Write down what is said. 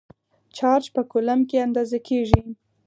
چارج په کولمب کې اندازه کېږي.